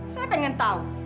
saya pengen tahu